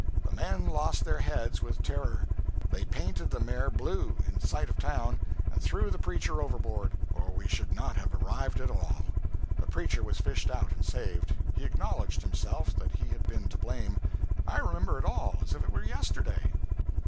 The men lost their heads with terror. They painted the mare blue, in sight of town, and threw the preacher overboard, or we should not have arrived at all. The preacher was fished out and saved. He acknowledged, himself, that he had been to blame. I remember it all, as if it were yesterday.'